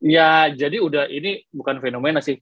ya jadi udah ini bukan fenomena sih